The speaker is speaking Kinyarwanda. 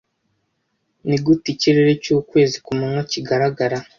ni gute ikirere cy'ukwezi ku manywa kigaragara